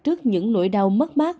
trước những nỗi đau mất mát